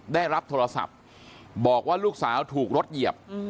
ได้รับโทรศัพท์บอกว่าลูกสาวถูกรถเหยียบ